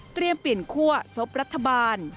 เตรียมเปลี่ยนคั่วซบรัฐบาล